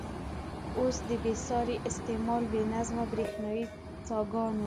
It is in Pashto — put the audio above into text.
اوس د بې ساري استعمال، بې نظمه برېښنايي څاګانو.